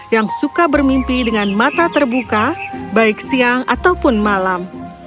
yang suka bermimpi dengan mata terbuka baik siang ataupun malam